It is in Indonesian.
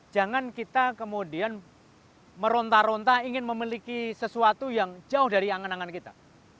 jangan kita kemudian meronta ronta ingin memiliki sesuatu yang jauh dari angan angan kita